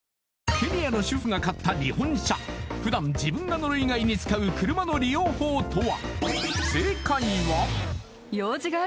ケニアの主婦が買った日本車普段自分が乗る以外に使う車の利用法とは？